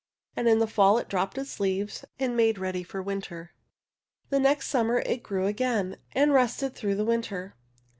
And in the fall it dropped its leaves and made ready for the winter. The next summer it grew again, and rested through the winter.